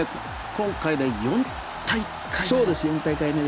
今回で４大会目。